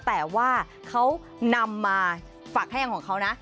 แต่ว่าเค้านำมาฝากให้ของเค้านะ